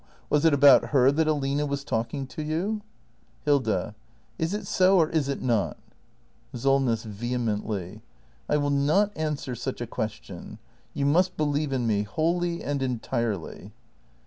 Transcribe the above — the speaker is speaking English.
Was it about her that Aline was talking to you ? Hilda. Is it so — or is it not ? Solness. [Vehemently.] I will not answer such a question. You must believe in me, wholly and entirely!